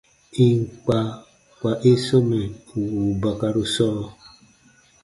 Ì n kpa, kpa i sɔmɛ wùu bakaru sɔɔ.